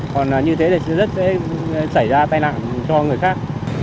còn như thế thì sẽ xảy ra tai nạn cho người khác